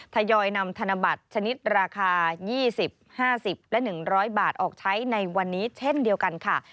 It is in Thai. ทยอยนำธนบัตรชนิดราคา๒๐๕๐และ๑๐๐บาทออกใช้ในวันนี้เช่นเดียวกันค่ะ